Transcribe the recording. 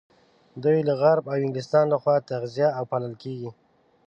دوی له غرب او انګلستان لخوا تغذيه او پالل کېږي.